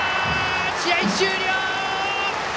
試合終了！